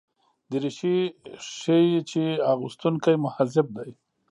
دریشي ښيي چې اغوستونکی مهذب دی.